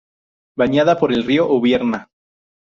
Bañada por el río Ubierna.